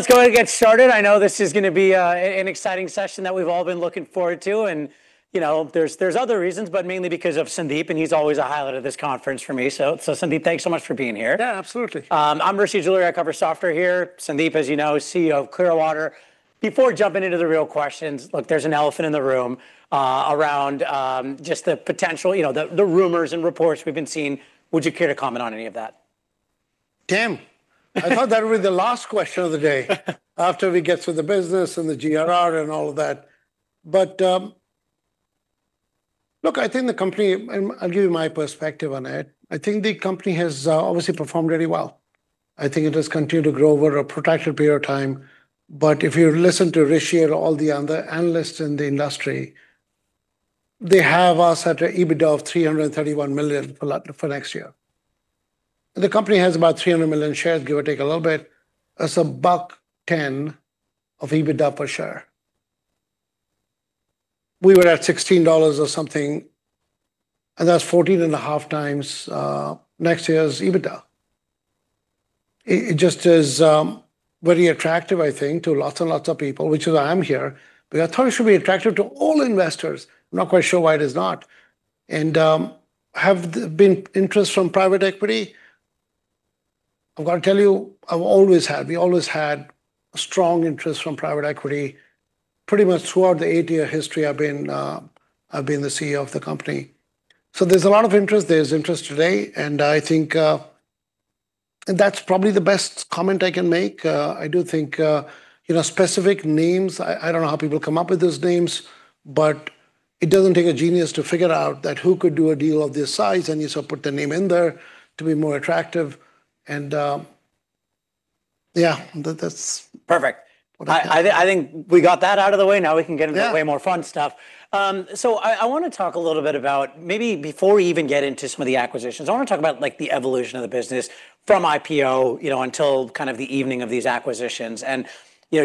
Let's go ahead and get started. I know this is going to be an exciting session that we've all been looking forward to, and you know, there's other reasons, but mainly because of Sandeep, and he's always a highlight of this conference for me, so Sandeep, thanks so much for being here. Yeah, absolutely. I'm Rishi Jaluria, I cover software here. Sandeep, as you know, CEO of Clearwater. Before jumping into the real questions, look, there's an elephant in the room around just the potential, you know, the rumors and reports we've been seeing. Would you care to comment on any of that? Tim, I thought that would be the last question of the day after we get to the business and the GRR and all of that. But look, I think the company, and I'll give you my perspective on it. I think the company has obviously performed really well. I think it has continued to grow over a protracted period of time. But if you listen to Rishi and all the other analysts in the industry, they have us at an EBITDA of $331 million for next year. The company has about 300 million shares, give or take a little bit. It's buck 10 of EBITDA per share. We were at $16 or something, and that's 14 and a half times next year's EBITDA. It just is very attractive, I think, to lots and lots of people, which is why I'm here. But I thought it should be attractive to all investors. I'm not quite sure why it is not. And have there been interest from private equity? I've got to tell you, I've always had, we always had strong interest from private equity pretty much throughout the eight-year history I've been the CEO of the company. So there's a lot of interest. There's interest today. And I think that's probably the best comment I can make. I do think, you know, specific names, I don't know how people come up with those names, but it doesn't take a genius to figure out who could do a deal of this size, and you sort of put the name in there to be more attractive. And yeah, that's. Perfect. I think we got that out of the way. Now we can [cross talked] get into way more fun stuff. So I want to talk a little bit about maybe before we even get into some of the acquisitions, I want to talk about like the evolution of the business from IPO, you know, until kind of the evening of these acquisitions, and you know,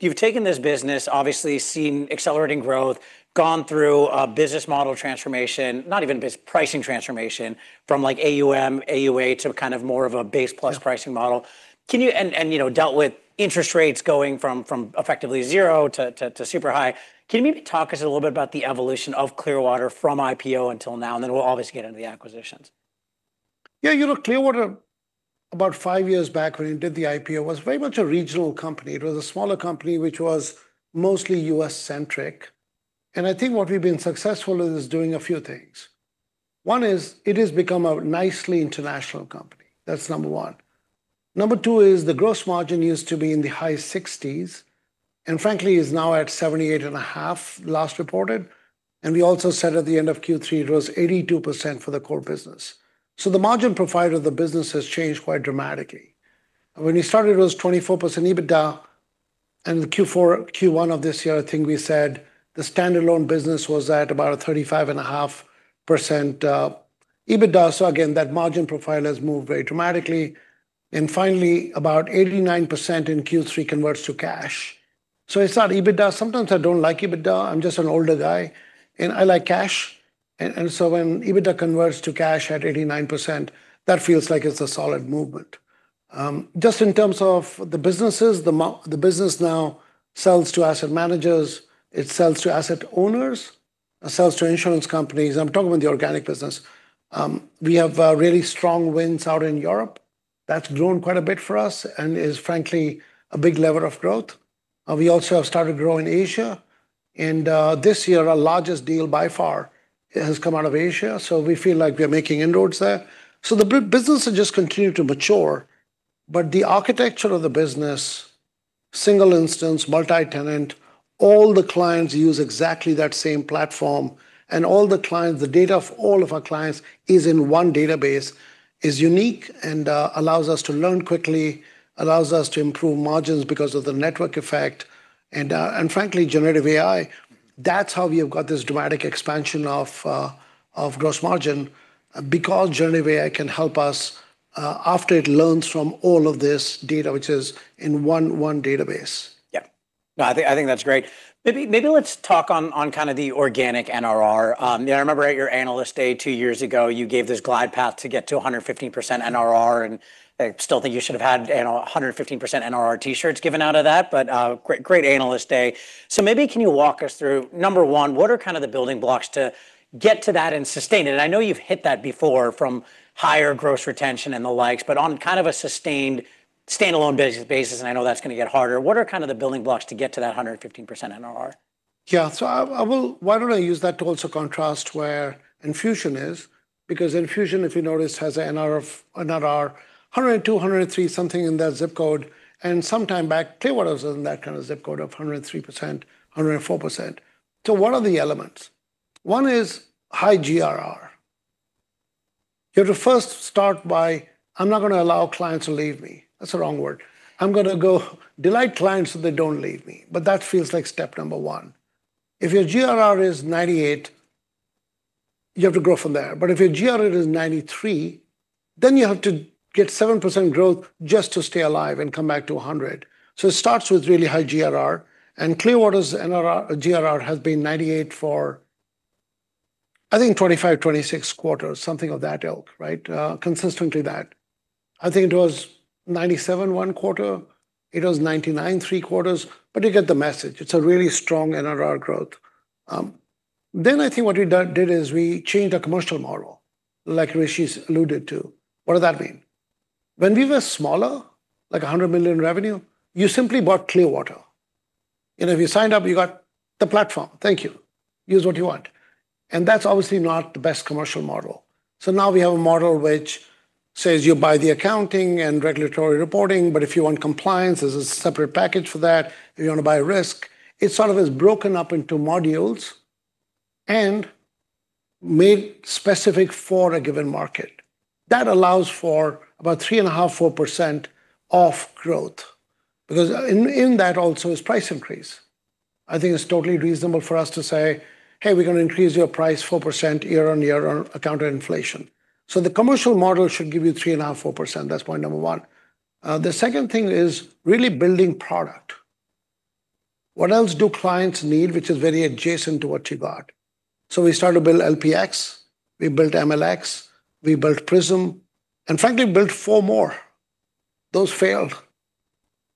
you've taken this business, obviously seen accelerating growth, gone through a business model transformation, not even pricing transformation from like AUM, AUA to kind of more of a base plus pricing model, and you know, dealt with interest rates going from effectively zero to super high. Can you maybe talk us a little bit about the evolution of Clearwater from IPO until now, and then we'll obviously get into the acquisitions? Yeah, you know, Clearwater, about five years back when it did the IPO, was very much a regional company. It was a smaller company, which was mostly U.S.-centric. And I think what we've been successful with is doing a few things. One is it has become a nicely international company. That's number one. Number two is the gross margin used to be in the high 60s and frankly is now at 78.5 last reported. And we also said at the end of Q3 it was 82% for the core business. So the margin profile of the business has changed quite dramatically. When we started, it was 24% EBITDA. And Q4, Q1 of this year, I think we said the standalone business was at about a 35.5% EBITDA. So again, that margin profile has moved very dramatically. And finally, about 89% in Q3 converts to cash. So it's not EBITDA. Sometimes I don't like EBITDA. I'm just an older guy, and I like cash. And so when EBITDA converts to cash at 89%, that feels like it's a solid movement. Just in terms of the businesses, the business now sells to asset managers, it sells to asset owners, it sells to insurance companies. I'm talking about the organic business. We have really strong wins out in Europe. That's grown quite a bit for us and is frankly a big lever of growth. We also have started to grow in Asia. And this year, our largest deal by far has come out of Asia. So we feel like we are making inroads there. So the business has just continued to mature. But the architecture of the business, single instance, multi-tenant, all the clients use exactly that same platform. All the clients, the data of all of our clients is in one database, is unique and allows us to learn quickly, allows us to improve margins because of the network effect. Frankly, generative AI, that's how we have got this dramatic expansion of gross margin because generative AI can help us after it learns from all of this data, which is in one database. Yeah. No, I think that's great. Maybe let's talk on kind of the organic NRR. I remember at your analyst day two years ago, you gave this glide path to get to 115% NRR. I still think you should have had 115% NRR t-shirts given out of that, but great analyst day. So maybe can you walk us through number one what are kind of the building blocks to get to that and sustain it? And I know you've hit that before from higher gross retention and the likes, but on kind of a sustained standalone basis, and I know that's going to get harder. What are kind of the building blocks to get to that 115% NRR? Yeah. So I will, why don't I use that to also contrast where Enfusion is, because Enfusion, if you notice, has an NRR 102%, 103%, something in that zip code. And sometime back, Clearwater was in that kind of zip code of 103%, 104%. So what are the elements? One is high GRR. You have to first start by, I'm not going to allow clients to leave me. That's the wrong word. I'm going to go delight clients so they don't leave me. But that feels like step number one. If your GRR is 98%, you have to grow from there. But if your GRR is 93%, then you have to get 7% growth just to stay alive and come back to 100%. So it starts with really high GRR. And Clearwater's GRR has been 98% for, I think, 25, 26 quarters, something of that dealt, right? Consistently that. I think it was 97 Q1. It was 99 Q3. But you get the message. It's a really strong NRR growth. Then I think what we did is we changed our commercial model, like Rishi alluded to. What does that mean? When we were smaller, like 100 million revenue, you simply bought Clearwater. You know, if you signed up, you got the platform. Thank you. Use what you want. And that's obviously not the best commercial model. So now we have a model which says you buy the accounting and regulatory reporting. But if you want compliance, there's a separate package for that. If you want to buy risk, it sort of is broken up into modules and made specific for a given market. That allows for about 3.5%-4% of growth. Because in that also is price increase. I think it's totally reasonable for us to say, hey, we're going to increase your price 4% year on year on account of inflation. So the commercial model should give you 3.5%-4%. That's point number one. The second thing is really building product. What else do clients need, which is very adjacent to what you got? So we started to build LPx. We built MLx. We built Prism. And frankly, we built four more. Those failed.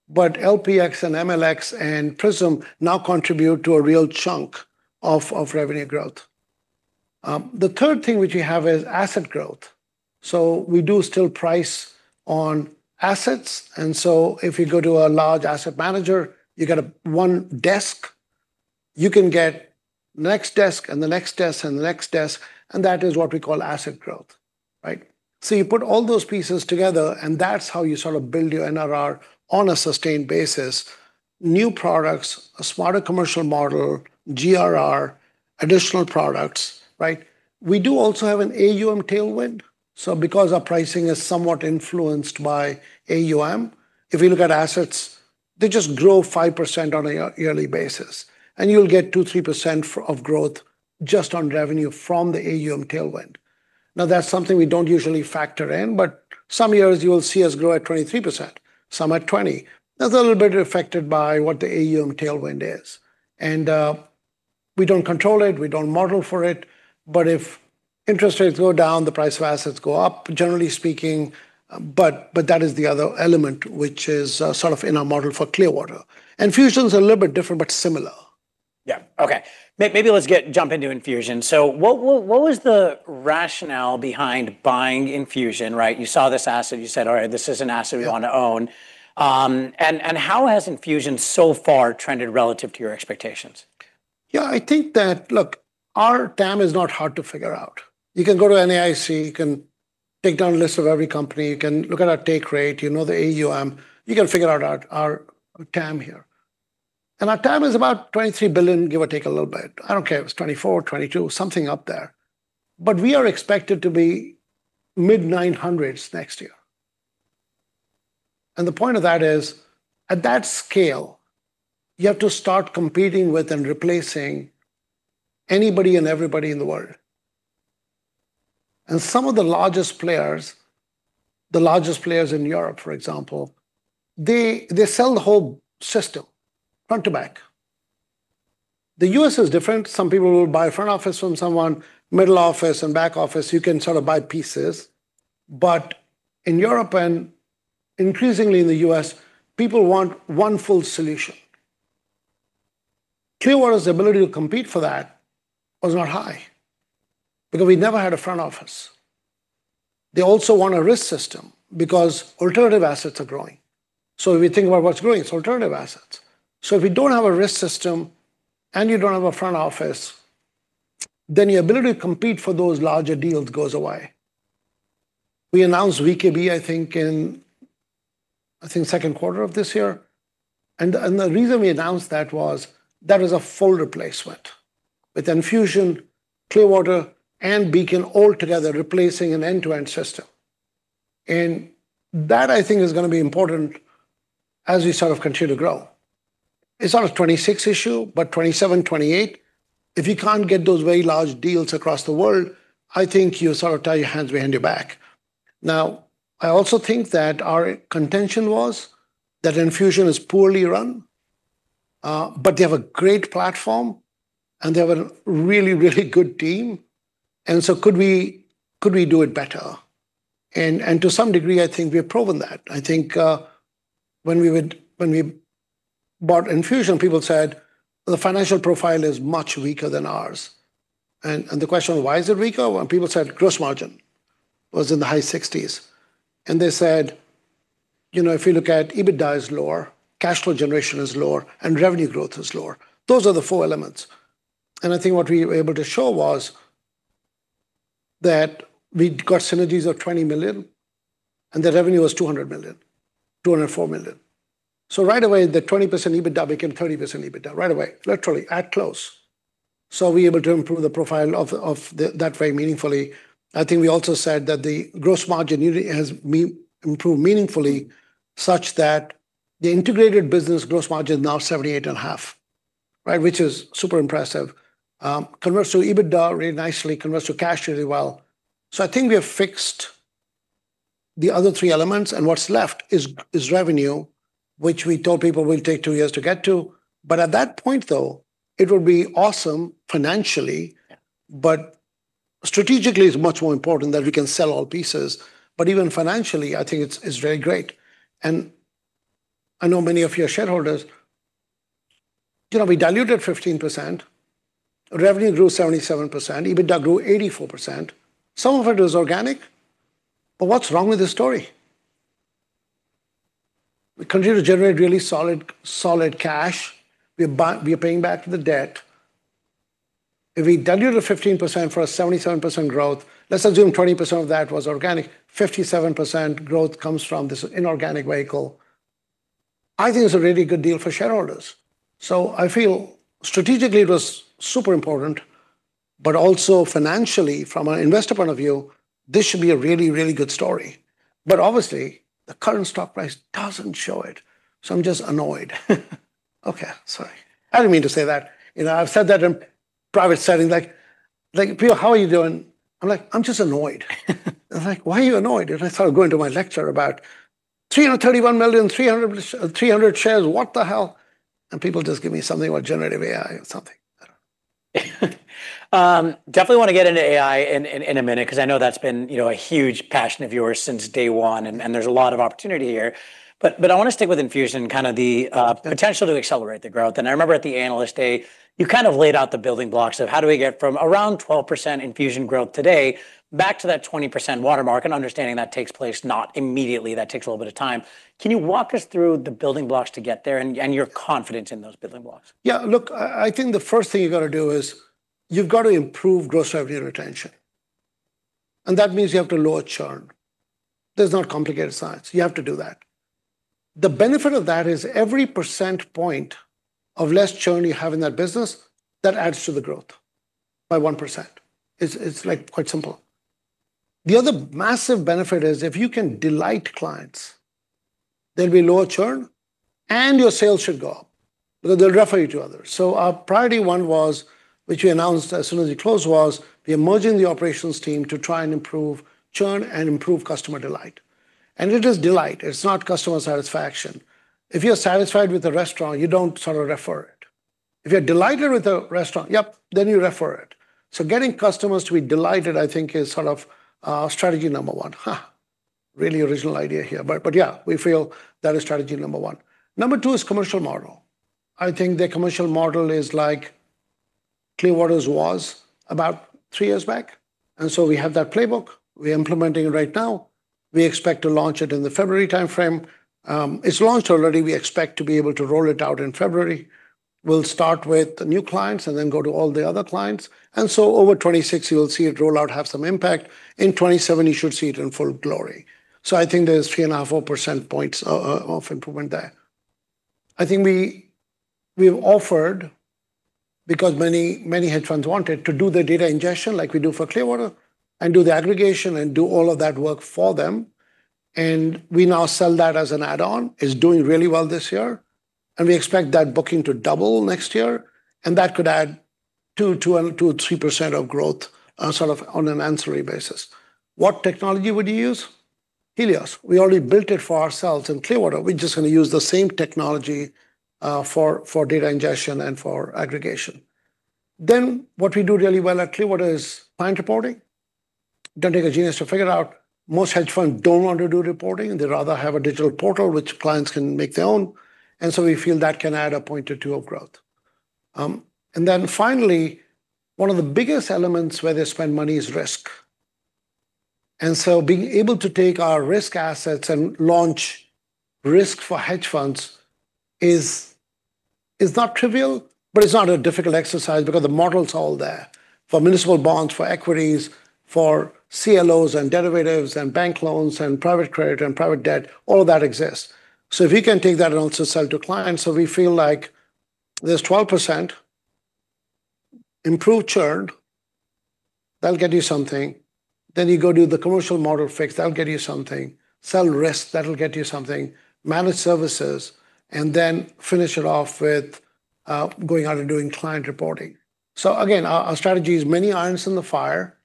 But LPx and MLx and Prism now contribute to a real chunk of revenue growth. The third thing which we have is asset growth. So we do still price on assets. And so if you go to a large asset manager, you get one desk. You can get the next desk and the next desk and the next desk. And that is what we call asset growth, right? So you put all those pieces together, and that's how you sort of build your NRR on a sustained basis. New products, a smarter commercial model, GRR, additional products, right? We do also have an AUM tailwind. So because our pricing is somewhat influenced by AUM, if we look at assets, they just grow 5% on a yearly basis. And you'll get 2%, 3% of growth just on revenue from the AUM tailwind. Now, that's something we don't usually factor in, but some years you will see us grow at 23%, some at 20%. That's a little bit affected by what the AUM tailwind is. And we don't control it. We don't model for it. But if interest rates go down, the price of assets go up, generally speaking. But that is the other element, which is sort of in our model for Clearwater. Enfusion is a little bit different, but similar. Yeah. Okay. Maybe let's jump into Enfusion. So what was the rationale behind buying Enfusion, right? You saw this asset. You said, all right, this is an asset we want to own. And how has Enfusion so far trended relative to your expectations? Yeah, I think that, look, our TAM is not hard to figure out. You can go to NAIC. You can take down a list of every company. You can look at our take rate. You know the AUM. You can figure out our TAM here. And our TAM is about $23 billion, give or take a little bit. I don't care if it's $24 billion, $22 billion, something up there. But we are expected to be mid-900s next year. And the point of that is, at that scale, you have to start competing with and replacing anybody and everybody in the world. And some of the largest players, the largest players in Europe, for example, they sell the whole system front to back. The U.S. is different. Some people will buy a front office from someone, middle office, and back office. You can sort of buy pieces. But in Europe and increasingly in the U.S., people want one full solution. Clearwater's ability to compete for that was not high because we never had a front office. They also want a risk system because alternative assets are growing. So if we think about what's growing, it's alternative assets. So if we don't have a risk system and you don't have a front office, then your ability to compete for those larger deals goes away. We announced we could be, I think, in, I think, second quarter of this year. And the reason we announced that was that was a full replacement with Enfusion, Clearwater, and Beacon all together replacing an end-to-end system. And that, I think, is going to be important as we sort of continue to grow. It's not a 2026 issue, but 2027, 2028. If you can't get those very large deals across the world, I think you sort of tie your hands behind your back. Now, I also think that our contention was that Enfusion is poorly run, but they have a great platform and they have a really, really good team. And so could we do it better? And to some degree, I think we have proven that. I think when we bought Enfusion, people said the financial profile is much weaker than ours. And the question was, why is it weaker? And people said gross margin was in the high 60s. And they said, you know, if you look at EBITDA is lower, cash flow generation is lower, and revenue growth is lower. Those are the four elements. And I think what we were able to show was that we got synergies of $20 million and the revenue was $200 million, $204 million. So right away, the 20% EBITDA became 30% EBITDA right away, literally at close. So we were able to improve the profile of that very meaningfully. I think we also said that the gross margin has improved meaningfully such that the integrated business gross margin is now 78.5%, right? Which is super impressive. Converts to EBITDA really nicely, converts to cash really well. So I think we have fixed the other three elements. And what's left is revenue, which we told people will take two years to get to. But at that point, though, it would be awesome financially, but strategically it's much more important that we can sell all pieces. But even financially, I think it's very great. I know many of your shareholders, you know, we diluted 15%. Revenue grew 77%. EBITDA grew 84%. Some of it is organic. But what's wrong with the story? We continue to generate really solid cash. We are paying back the debt. If we diluted 15% for a 77% growth, let's assume 20% of that was organic. 57% growth comes from this inorganic vehicle. I think it's a really good deal for shareholders. So I feel strategically it was super important, but also financially from an investor point of view, this should be a really, really good story. But obviously, the current stock price doesn't show it. So I'm just annoyed. Okay. Sorry. I didn't mean to say that. You know, I've said that in private settings. Like, how are you doing? I'm like, I'm just annoyed. I'm like, why are you annoyed? I started going to my lecture about 331 million, 300 shares. What the hell? People just give me something about generative AI or something. Definitely want to get into AI in a minute because I know that's been a huge passion of yours since day one, and there's a lot of opportunity here. But I want to stick with Enfusion, kind of the potential to accelerate the growth, and I remember at the analyst day, you kind of laid out the building blocks of how do we get from around 12% Enfusion growth today back to that 20% watermark, and understanding that takes place not immediately. That takes a little bit of time. Can you walk us through the building blocks to get there and your confidence in those building blocks? Yeah. Look, I think the first thing you've got to do is you've got to improve gross revenue retention. And that means you have to lower churn. There's no complicated science. You have to do that. The benefit of that is every percentage point of less churn you have in that business, that adds to the growth by 1%. It's like quite simple. The other massive benefit is if you can delight clients, there'll be lower churn and your sales should go up because they'll refer you to others. So our priority one was, which we announced as soon as we closed, was we are merging the operations team to try and improve churn and improve customer delight. And it is delight. It's not customer satisfaction. If you're satisfied with the restaurant, you don't sort of refer it. If you're delighted with the restaurant, yep, then you refer it. So getting customers to be delighted, I think, is sort of strategy number one. Really original idea here. But yeah, we feel that is strategy number one. Number two is commercial model. I think the commercial model is like Clearwater's was about three years back. And so we have that playbook. We're implementing it right now. We expect to launch it in the February timeframe. It's launched already. We expect to be able to roll it out in February. We'll start with the new clients and then go to all the other clients. And so over 2026, you'll see it roll out, have some impact. In 2027, you should see it in full glory. So I think there's 3.5%-4% points of improvement there. I think we've offered, because many hedge funds want it, to do the data ingestion like we do for Clearwater and do the aggregation and do all of that work for them, and we now sell that as an add-on. It's doing really well this year, and we expect that booking to double next year, and that could add 2%-3% of growth sort of on an ancillary basis. What technology would you use? Helios. We already built it for ourselves and Clearwater. We're just going to use the same technology for data ingestion and for aggregation, then what we do really well at Clearwater is client reporting. It doesn't take a genius to figure out. Most hedge funds don't want to do reporting. They'd rather have a digital portal, which clients can make their own, and so we feel that can add a point or two of growth. And then finally, one of the biggest elements where they spend money is risk. And so being able to take our risk assets and launch risk for hedge funds is not trivial, but it's not a difficult exercise because the model's all there for municipal bonds, for equities, for CLOs and derivatives and bank loans and private credit and private debt. All of that exists. So if we can take that and also sell to clients, so we feel like there's 12% improved churn, that'll get you something. Then you go do the commercial model fix, that'll get you something. Sell risk, that'll get you something. Manage services. And then finish it off with going out and doing client reporting. So again, our strategy is many irons in the fire.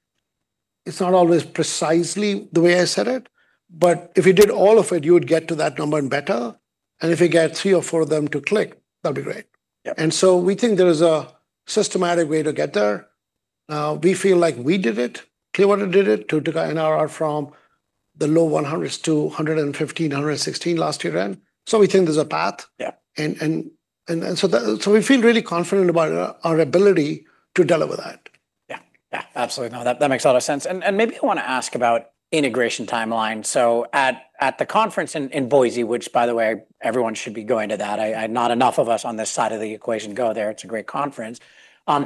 It's not always precisely the way I said it, but if you did all of it, you would get to that number and better, and if you get three or four of them to click, that'll be great, and so we think there is a systematic way to get there. We feel like we did it. Clearwater did it to NRR from the low 100s to 115, 116 last year in, so we think there's a path, and so we feel really confident about our ability to deliver that. Yeah. Yeah. Absolutely. No, that makes a lot of sense, and maybe I want to ask about integration timeline. So at the conference in Boise, which by the way, everyone should be going to that. Not enough of us on this side of the equation go there. It's a great conference.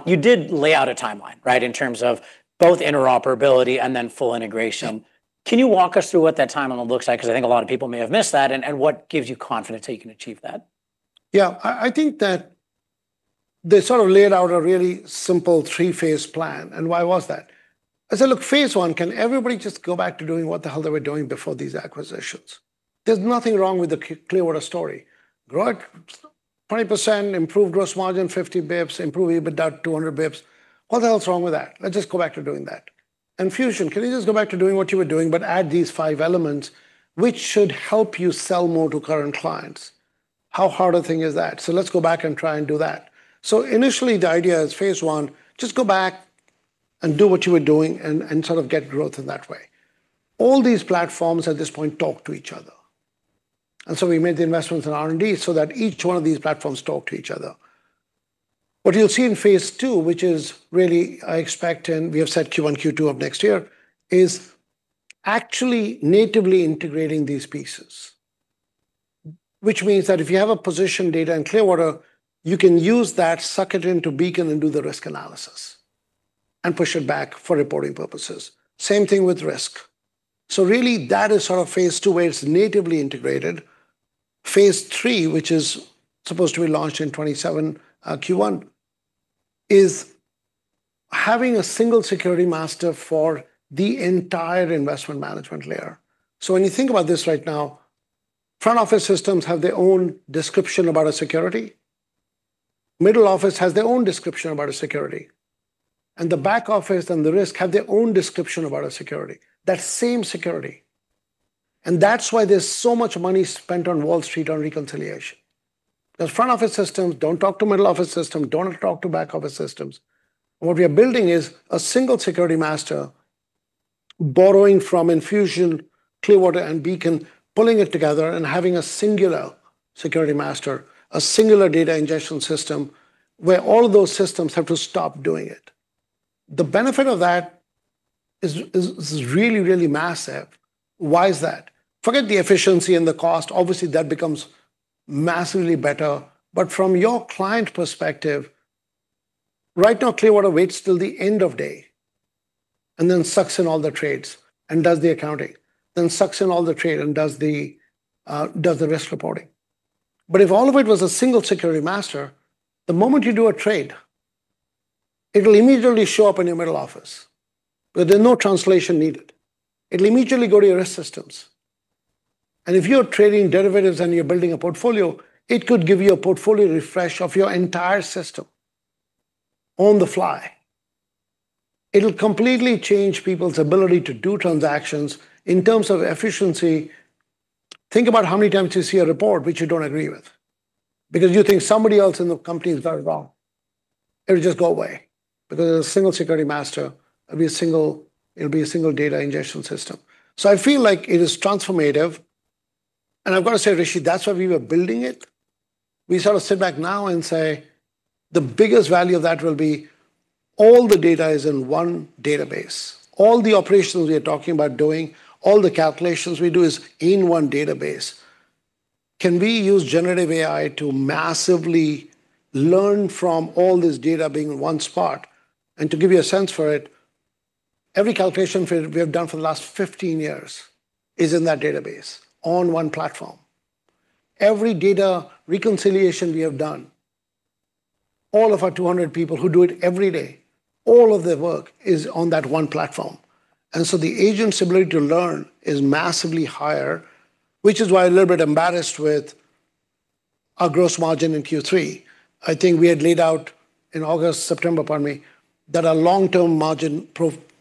You did lay out a timeline, right, in terms of both interoperability and then full integration. Can you walk us through what that timeline looks like? Because I think a lot of people may have missed that. And what gives you confidence that you can achieve that? Yeah. I think that they sort of laid out a really simple three-phase plan, and why was that? I said, look, phase one, can everybody just go back to doing what the hell they were doing before these acquisitions? There's nothing wrong with the Clearwater story. Grow it 20%, improve gross margin 50 basis points, improve EBITDA 200 basis points. What the hell's wrong with that? Let's just go back to doing that, and Enfusion, can you just go back to doing what you were doing, but add these five elements, which should help you sell more to current clients? How hard a thing is that? So let's go back and try and do that. So initially, the idea is phase one, just go back and do what you were doing and sort of get growth in that way. All these platforms at this point talk to each other. And so we made the investments in R&D so that each one of these platforms talk to each other. What you'll see in phase two, which is really, I expect, and we have set Q1, Q2 of next year, is actually natively integrating these pieces, which means that if you have a position data in Clearwater, you can use that, suck it into Beacon and do the risk analysis and push it back for reporting purposes. Same thing with risk. So really, that is sort of phase two where it's natively integrated. Phase three, which is supposed to be launched in 2027 Q1, is having a single security master for the entire investment management layer. So when you think about this right now, front office systems have their own description about a security. Middle office has their own description about a security. And the back office and the risk have their own description about a security. That same security. And that's why there's so much money spent on Wall Street on reconciliation. Because front office systems don't talk to middle office systems, don't talk to back office systems. What we are building is a single security master borrowing from Enfusion, Clearwater, and Beacon, pulling it together and having a singular security master, a singular data ingestion system where all of those systems have to stop doing it. The benefit of that is really, really massive. Why is that? Forget the efficiency and the cost. Obviously, that becomes massively better. But from your client perspective, right now, Clearwater waits till the end of day and then sucks in all the trades and does the accounting, then sucks in all the trade and does the risk reporting. But if all of it was a single security master, the moment you do a trade, it'll immediately show up in your middle office. There's no translation needed. It'll immediately go to your risk systems. And if you're trading derivatives and you're building a portfolio, it could give you a portfolio refresh of your entire system on the fly. It'll completely change people's ability to do transactions in terms of efficiency. Think about how many times you see a report which you don't agree with because you think somebody else in the company is very wrong. It'll just go away because it's a single security master. It'll be a single data ingestion system. So I feel like it is transformative. And I've got to say, Rishi, that's why we were building it. We sort of sit back now and say, the biggest value of that will be all the data is in one database. All the operations we are talking about doing, all the calculations we do, is in one database. Can we use generative AI to massively learn from all this data being in one spot, and to give you a sense for it, every calculation we have done for the last 15 years is in that database on one platform. Every data reconciliation we have done, all of our 200 people who do it every day, all of their work is on that one platform, and so the agent's ability to learn is massively higher, which is why I'm a little bit embarrassed with our gross margin in Q3. I think we had laid out in August, September, pardon me, that our long-term margin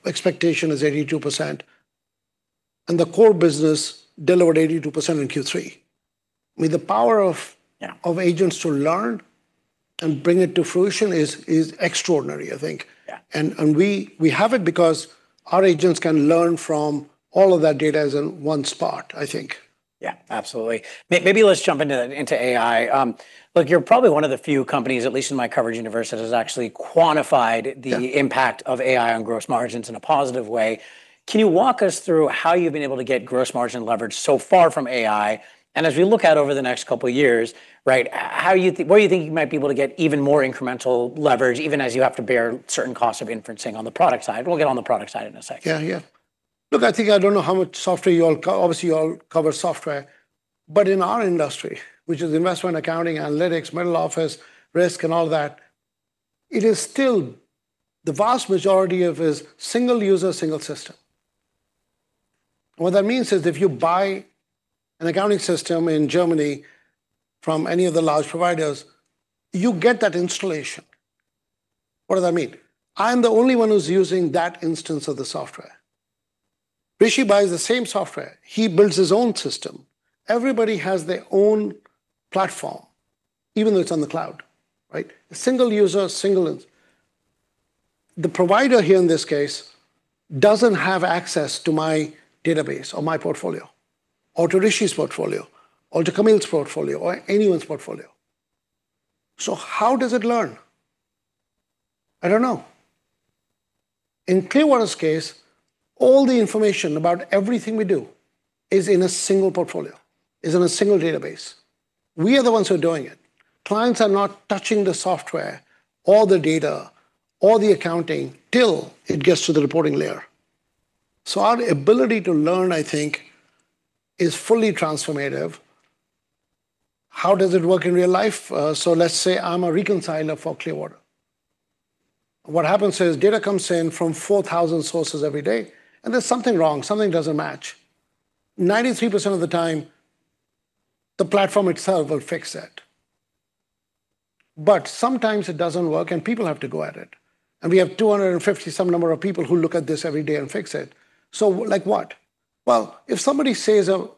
expectation is 82%. The core business delivered 82% in Q3. I mean, the power of agents to learn and bring it to fruition is extraordinary, I think. We have it because our agents can learn from all of that data as in one spot, I think. Yeah. Absolutely. Maybe let's jump into AI. Look, you're probably one of the few companies, at least in my coverage universe, that has actually quantified the impact of AI on gross margins in a positive way. Can you walk us through how you've been able to get gross margin leverage so far from AI? And as we look out over the next couple of years, right, what do you think you might be able to get even more incremental leverage, even as you have to bear certain costs of inferencing on the product side? We'll get on the product side in a second. Yeah. Yeah. Look, I think I don't know how much software you all, obviously, you all cover software. But in our industry, which is investment accounting, analytics, middle office, risk, and all that, it is still the vast majority of is single user, single system. What that means is if you buy an accounting system in Germany from any of the large providers, you get that installation. What does that mean? I'm the only one who's using that instance of the software. Rishi buys the same software. He builds his own system. Everybody has their own platform, even though it's on the cloud, right? Single user, single. The provider here in this case doesn't have access to my database or my portfolio or to Rishi's portfolio or to Camille's portfolio or anyone's portfolio. So how does it learn? I don't know. In Clearwater's case, all the information about everything we do is in a single portfolio, is in a single database. We are the ones who are doing it. Clients are not touching the software or the data or the accounting till it gets to the reporting layer. So our ability to learn, I think, is fully transformative. How does it work in real life? So let's say I'm a reconciler for Clearwater. What happens is data comes in from 4,000 sources every day, and there's something wrong. Something doesn't match. 93% of the time, the platform itself will fix that. But sometimes it doesn't work, and people have to go at it. And we have 250 some number of people who look at this every day and fix it. So like what? If somebody says a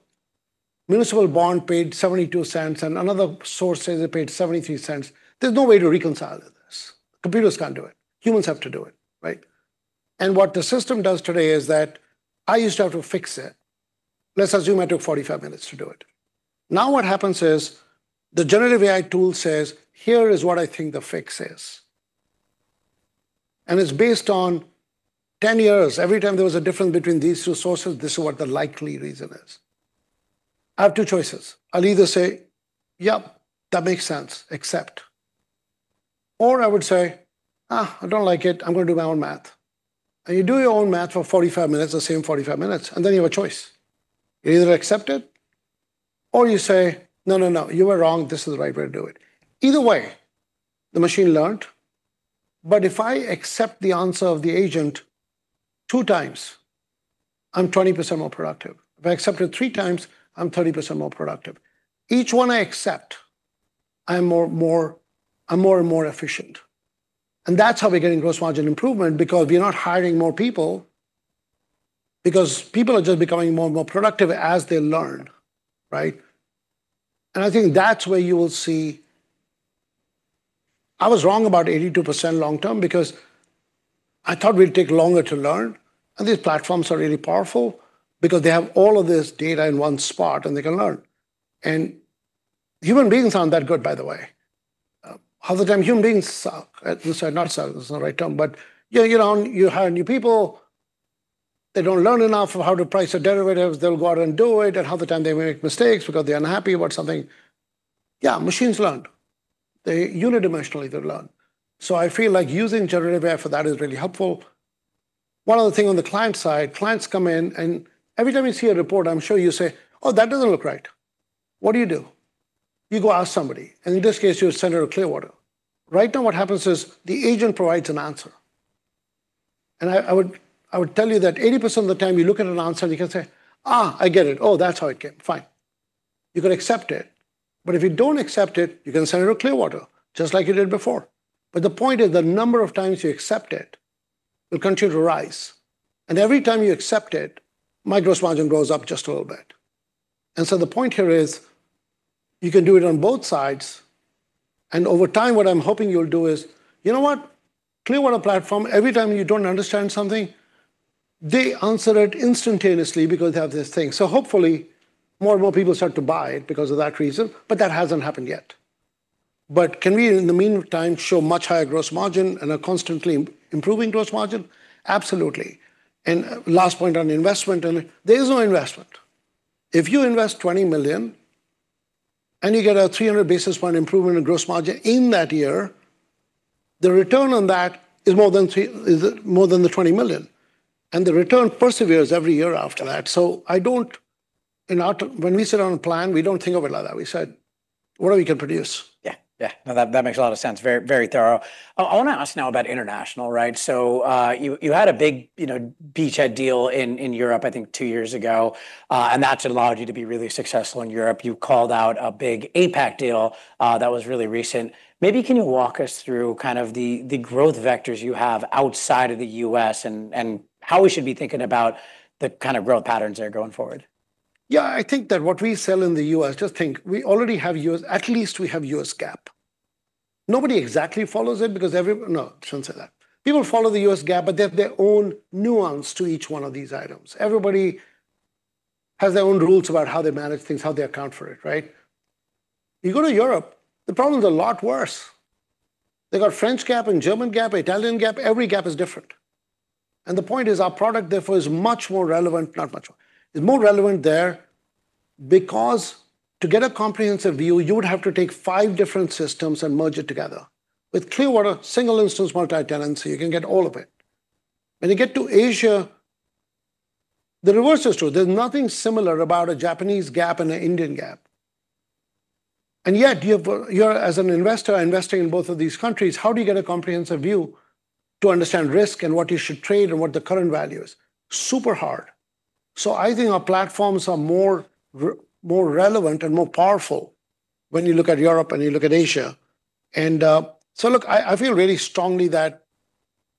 municipal bond paid 72 cents and another source says it paid 73 cents, there's no way to reconcile this. Computers can't do it. Humans have to do it, right? And what the system does today is that I used to have to fix it. Let's assume I took 45 minutes to do it. Now what happens is the generative AI tool says, here is what I think the fix is. And it's based on 10 years. Every time there was a difference between these two sources, this is what the likely reason is. I have two choices. I'll either say, yep, that makes sense, accept. Or I would say, I don't like it. I'm going to do my own math. And you do your own math for 45 minutes, the same 45 minutes, and then you have a choice. You either accept it or you say, no, no, no, you were wrong. This is the right way to do it. Either way, the machine learned. But if I accept the answer of the agent two times, I'm 20% more productive. If I accept it three times, I'm 30% more productive. Each one I accept, I'm more and more efficient. And that's how we're getting gross margin improvement because we're not hiring more people because people are just becoming more and more productive as they learn, right? And I think that's where you will see I was wrong about 82% long term because I thought we'd take longer to learn. And these platforms are really powerful because they have all of this data in one spot and they can learn. And human beings aren't that good, by the way. Half the time, human beings, sorry, not selling, that's not the right term, but you hire new people, they don't learn enough of how to price their derivatives. They'll go out and do it. And half the time, they make mistakes because they're unhappy about something. Yeah, machines learn. They unidimensionally, they learn. So I feel like using generative AI for that is really helpful. One other thing on the client side, clients come in, and every time you see a report, I'm sure you say, oh, that doesn't look right. What do you do? You go ask somebody. And in this case, you would send it to Clearwater. Right now, what happens is the agent provides an answer. And I would tell you that 80% of the time you look at an answer and you can say, I get it. Oh, that's how it came. Fine. You can accept it. But if you don't accept it, you can send it to Clearwater just like you did before. But the point is the number of times you accept it will continue to rise. And every time you accept it, my gross margin grows up just a little bit. And so the point here is you can do it on both sides. And over time, what I'm hoping you'll do is, you know what? Clearwater platform, every time you don't understand something, they answer it instantaneously because they have this thing. So hopefully, more and more people start to buy it because of that reason. But that hasn't happened yet. But can we, in the meantime, show much higher gross margin and a constantly improving gross margin? Absolutely. And last point on investment, there is no investment. If you invest $20 million and you get a 300 basis point improvement in gross margin in that year, the return on that is more than the $20 million, and the return perseveres every year after that, so I don't, when we sit on a plan, we don't think of it like that. We said, what are we going to produce? Yeah. Yeah. No, that makes a lot of sense. Very thorough. I want to ask now about international, right? So you had a big beachhead deal in Europe, I think, two years ago. And that's allowed you to be really successful in Europe. You called out a big APAC deal that was really recent. Maybe can you walk us through kind of the growth vectors you have outside of the U.S. and how we should be thinking about the kind of growth patterns that are going forward? Yeah, I think that what we sell in the U.S., just think, we already have U.S., at least we have U.S. GAAP. Nobody exactly follows it because everyone, no, I shouldn't say that. People follow the U.S. GAAP, but they have their own nuance to each one of these items. Everybody has their own rules about how they manage things, how they account for it, right? You go to Europe, the problem is a lot worse. They got French GAAP and German GAAP, Italian GAAP. Every GAAP is different. And the point is our product therefore is much more relevant, not much more. It's more relevant there because to get a comprehensive view, you would have to take five different systems and merge it together. With Clearwater, single instance multi-tenancy, you can get all of it. When you get to Asia, the reverse is true. There's nothing similar about a Japanese GAAP and an Indian GAAP. And yet, as an investor investing in both of these countries, how do you get a comprehensive view to understand risk and what you should trade and what the current value is? Super hard, so I think our platforms are more relevant and more powerful when you look at Europe and you look at Asia. And so look, I feel really strongly that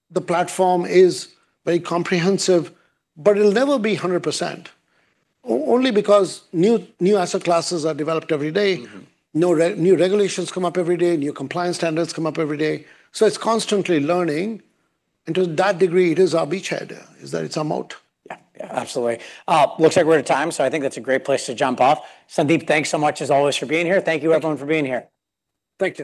the platform is very comprehensive, but it'll never be 100% only because new asset classes are developed every day. New regulations come up every day. New compliance standards come up every day. So it's constantly learning. And to that degree, it is our beachhead is that it's our moat. Yeah. Yeah. Absolutely. Looks like we're at a time. So I think that's a great place to jump off. Sandeep, thanks so much as always for being here. Thank you, everyone, for being here. Thank you.